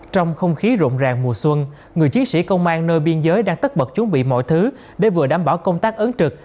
trong không khí rộn ràng mùa xuân người chiến sĩ công an nơi biên giới đang tất bật chuẩn bị mọi thứ để vừa đảm bảo công tác ứng trực